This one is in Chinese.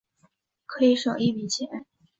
可以省一笔钱